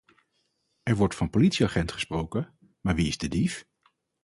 Er wordt van politieagent gesproken, maar wie is de dief?